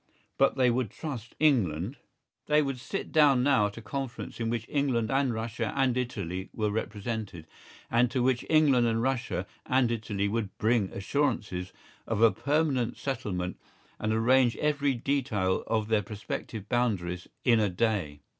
But they would trust England. They would sit down now at a conference in which England and Russia and Italy were represented, and to which England and Russia and Italy would bring assurances of a permanent settlement and arrange every detail of their prospective boundaries in a day.